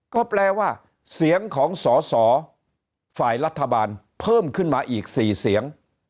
ก็แปลว่าเสียงของสอสอฝ่ายรัฐบาลเพิ่มขึ้นมาอีก๔เสียง